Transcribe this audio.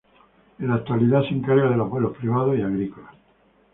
En la actualidad se encarga de los vuelos privados y agrícolas.